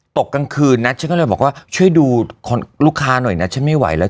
กลางคืนนะฉันก็เลยบอกว่าช่วยดูลูกค้าหน่อยนะฉันไม่ไหวแล้ว